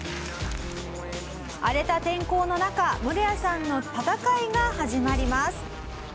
荒れた天候の中ムロヤさんの戦いが始まります。